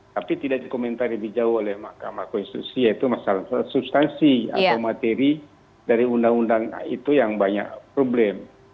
tapi tidak dikomentari lebih jauh oleh mahkamah konstitusi yaitu masalah substansi atau materi dari undang undang itu yang banyak problem